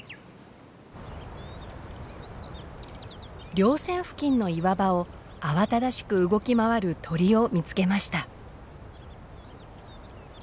稜線付近の岩場を慌ただしく動き回る鳥を見つけました。